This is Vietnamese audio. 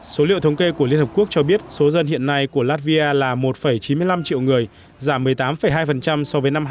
số liệu thống kê của liên hợp quốc cho biết số dân hiện nay của latvia là một chín mươi năm triệu người giảm một mươi tám hai so với năm hai nghìn một mươi tám